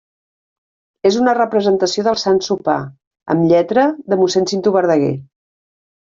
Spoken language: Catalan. És una representació del Sant Sopar, amb lletra de mossèn Cinto Verdaguer.